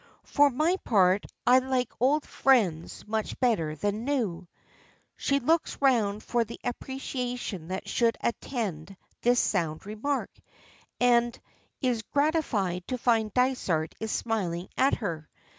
"For my part I like old friends much better than new." She looks round for the appreciation that should attend this sound remark, and is gratified to find Dysart is smiling at her.